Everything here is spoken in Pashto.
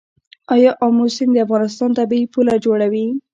آیا امو سیند د افغانستان طبیعي پوله جوړوي؟